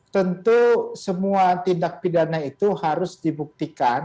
tentu semua tindak pidana itu harus dibuktikan